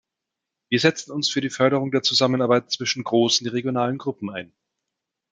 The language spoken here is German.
Wir setzen uns für die Förderung der Zusammenarbeit zwischen großen regionalen Gruppen ein.